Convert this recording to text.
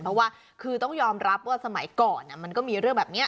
เพราะว่าคือต้องยอมรับว่าสมัยก่อนมันก็มีเรื่องแบบนี้